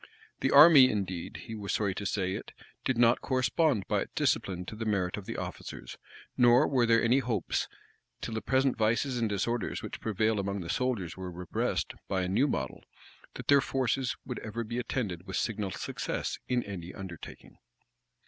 The army, indeed, he was sorry to say it, did not correspond by its discipline to the merit of the officers; nor were there any hopes, till the present vices and disorders which prevail among the soldiers were repressed by a new model that their forces would ever be attended with signal success in any undertaking.